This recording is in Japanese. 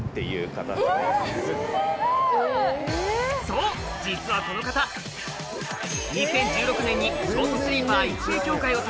そう実はこの方２０１６年にショートスリーパー育成協会を立ち上げ